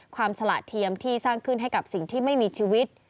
ฉละเทียมที่สร้างขึ้นให้กับสิ่งที่ไม่มีชีวิต